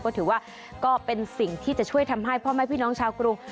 ก็ถือว่าก็เป็นสิ่งที่จะช่วยทำให้พ่อแม่พี่น้องชาวกรุง